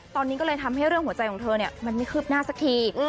ตอนนี้ก็เลยทำให้เรื่องหัวใจของเธอมันไม่คืบหน้าสักที